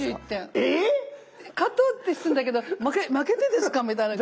えっ⁉勝とうってするんだけど「負けてですか⁉」みたいな感じ。